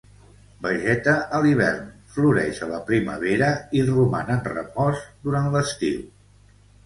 Vegeta a l'hivern, floreix a la primavera i roman en repòs durant l'estiu.